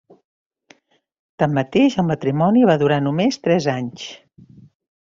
Tanmateix, el matrimoni va durar només tres anys.